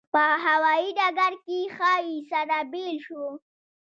په هوایي ډګر کې ښایي سره بېل شو.